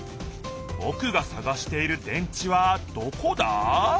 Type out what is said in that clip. ぼくがさがしている電池はどこだ？